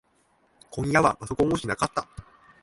今夜はパソコンはしなかった。